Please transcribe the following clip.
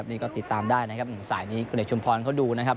นี่ก็ติดตามได้นะครับสายนี้คุณเอกชุมพรเขาดูนะครับ